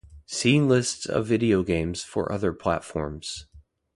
See Lists of video games for other platforms.